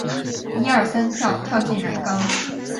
一二三跳！跳进染缸！